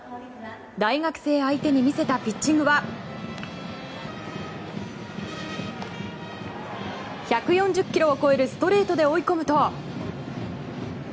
大学生相手に見せたピッチングは１４０キロを超えるストレートで追い込むと。